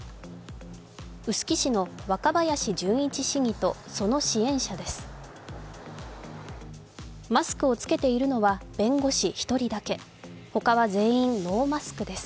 臼杵市の若林純一市議とその支援者です。